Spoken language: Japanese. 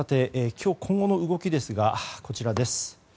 今日、今後の動きですがこちらです。